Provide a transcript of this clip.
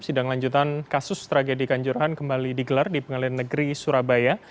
sidang lanjutan kasus tragedi kanjuruhan kembali digelar di pengadilan negeri surabaya